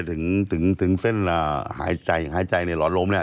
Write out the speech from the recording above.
ถึงเส้นหายใจหายใจในหลอดล้มเนี่ย